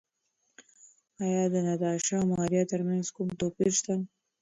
ایا د ناتاشا او ماریا ترمنځ کوم توپیر شته؟